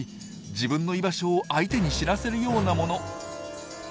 自分の居場所を相手に知らせるようなもの。